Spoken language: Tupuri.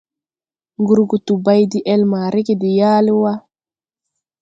Ngurgutu bay de-ɛl ma rege de yaale wà.